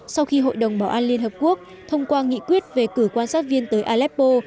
sau khi hội đồng bảo an liên hợp quốc thông qua nghị quyết về cử quan sát viên tới aleppo